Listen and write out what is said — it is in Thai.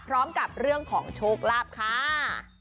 พร้อมกับเรื่องของโชคลาภค่ะ